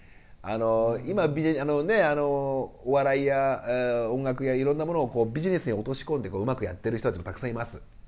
今お笑いや音楽やいろんなものをビジネスに落とし込んでうまくやってる人たちもたくさんいます。